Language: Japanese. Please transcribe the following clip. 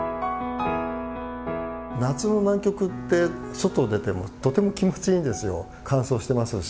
夏の南極って外出てもとても気持ちいいんですよ。乾燥してますし。